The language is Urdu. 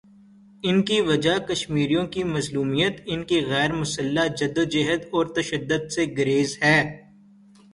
اس کی وجہ کشمیریوں کی مظلومیت، ان کی غیر مسلح جد وجہد اور تشدد سے گریز ہے۔